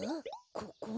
ここは？